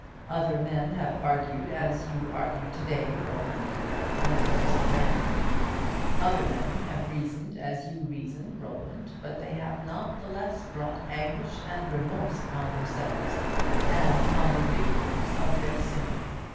"Other men have argued as you argue to day, Roland," answered Mr. Raymond. "Other men have reasoned as you reason, Roland; but they have not the less brought anguish and remorse upon themselves and upon the victims of their sin.